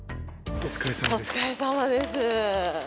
お疲れさまです。